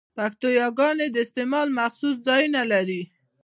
پښتو يګاني د استعمال مخصوص ځایونه لري؛